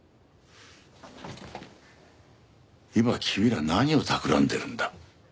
今君ら何をたくらんでるんだ？